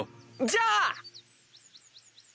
じゃあ。